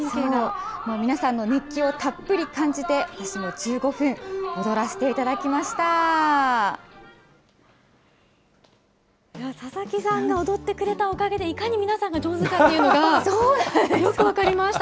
もう皆さんの熱気をたっぷり感じて、私も１５分、踊らせてい佐々木さんが踊ってくれたおかげで、いかに皆さんが上手かっていうのがよく分かりました。